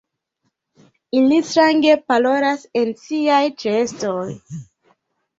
Ili strange parolas en siaj ĉeestoj.